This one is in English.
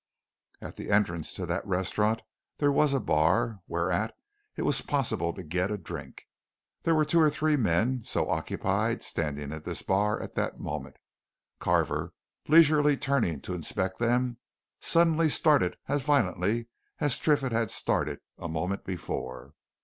At the entrance to that restaurant there was a bar, whereat it was possible to get a drink. There were two or three men, so occupied, standing at this bar at that moment Carver, leisurely turning to inspect them, suddenly started as violently as Triffitt had started a moment before.